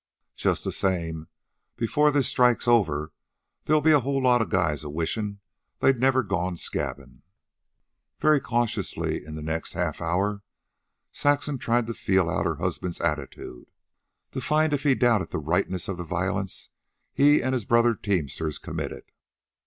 Just the same, before this strike's over there'll be a whole lot of guys a wishin' they'd never gone scabbin'." Very cautiously, in the next half hour, Saxon tried to feel out her husband's attitude, to find if he doubted the rightness of the violence he and his brother teamsters committed.